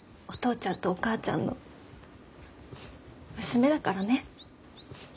ちゃんとお母ちゃんの娘だからね。